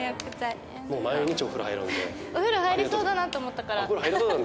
お風呂入りそうだなと思ったから。